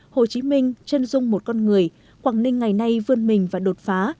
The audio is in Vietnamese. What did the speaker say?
hồ chí minh chân dung một con người quảng ninh ngày nay vươn mình và đột phá